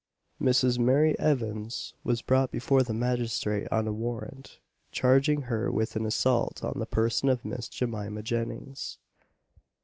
Mrs. Mary Evans was brought before the magistrate on a warrant charging her with an assault on the person of Miss Jemima Jennings.